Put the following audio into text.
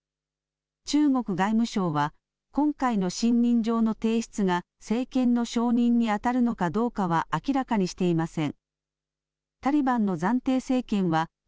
中国外務省は今回の信任状の提出が政権の承認にあたるのかどうかは明らかにしていません。